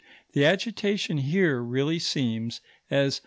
The agitation here really seems, as M.